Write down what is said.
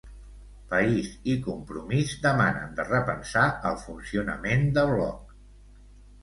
País i Compromís demanen de repensar el funcionament de Bloc.